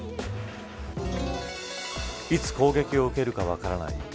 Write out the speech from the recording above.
いつ攻撃を受けるか分からない。